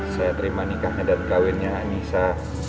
saya terima nikahnya dan kawinnya anissa